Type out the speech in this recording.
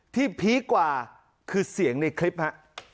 พีคกว่าคือเสียงในคลิปฮะ